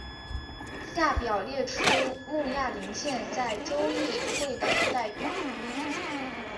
下表列出慕亚林县在州议会的代表。